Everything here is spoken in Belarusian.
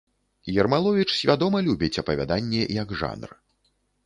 Ермаловіч свядома любіць апавяданне як жанр.